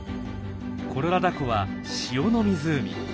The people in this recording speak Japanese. コロラダ湖は塩の湖。